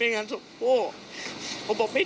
ถ้าเขาถูกจับคุณอย่าลืม